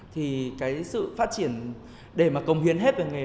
thì cái sự phát triển để mà công hiến hết về nghề